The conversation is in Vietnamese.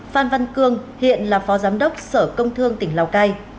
phan văn cương hiện là phó giám đốc sở công thương tỉnh lào cai